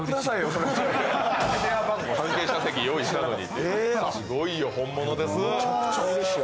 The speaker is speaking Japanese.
関係者席用意したのに。